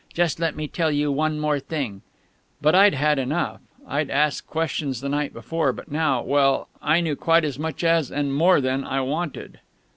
Just let me tell you one more thing " But I'd had enough. I'd asked questions the night before, but now well, I knew quite as much as, and more than, I wanted.